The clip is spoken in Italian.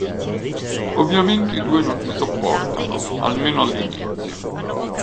Ovviamente i due non si sopportano, almeno all'inizio...